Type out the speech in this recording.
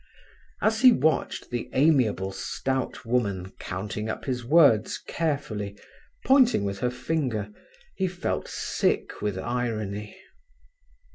As he watched the amiable, stout woman counting up his words carefully, pointing with her finger, he felt sick with irony.